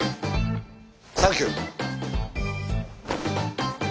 サンキュー！